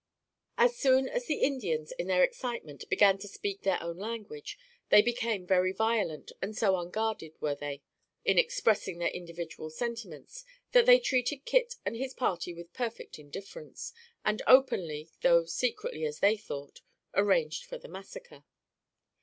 ] As soon as the Indians, in their excitement, began to speak their own language, they became very violent, and so unguarded were they in expressing their individual sentiments that they treated Kit and his party with perfect indifference, and openly, though secretly as they thought, arranged for the massacre.